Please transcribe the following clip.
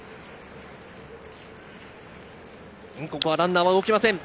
ランナーは動きません。